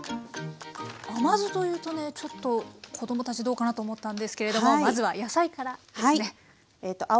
甘酢というとねちょっと子供たちどうかなと思ったんですけれどもまずは野菜からですね。